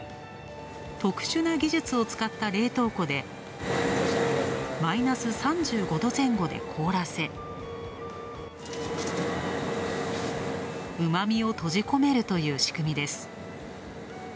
特殊な技術を使った冷凍庫でマイナス３５度前後で凍らせ、旨みを閉じ込めるという仕組みです。